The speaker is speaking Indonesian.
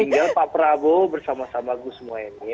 tinggal pak prabowo bersama sama gus mohaimin